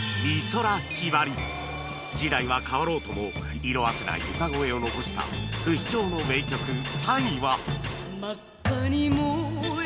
時代は変わろうとも色あせない歌声を残した不死鳥の名曲３位は